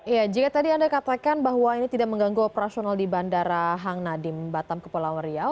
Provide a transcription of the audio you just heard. iya jika tadi anda katakan bahwa ini tidak mengganggu operasional di bandara hang nadiem batam kepulauan riau